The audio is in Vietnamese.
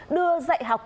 đưa dạy học